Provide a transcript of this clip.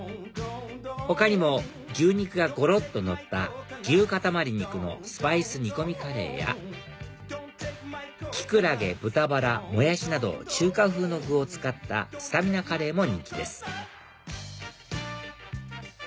他にも牛肉がごろっとのった牛塊肉のスパイス煮込みカレーやキクラゲ豚バラモヤシなど中華風の具を使ったスタミナカレーも人気です